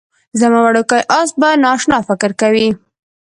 زما وړوکی اس به نا اشنا فکر کوي